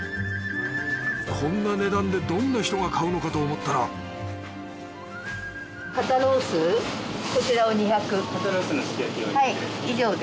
こんな値段でどんな人が買うのかと思ったら肩ロースのすき焼き用２００で。